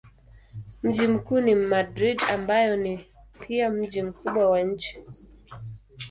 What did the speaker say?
Mji mkuu ni Madrid ambayo ni pia mji mkubwa wa nchi.